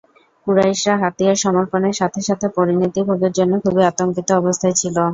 কুরাইশরা হাতিয়ার সমর্পণের সাথে সাথে পরিণতি ভোগের জন্য খুবই আতঙ্কিত অবস্থায় ছিল।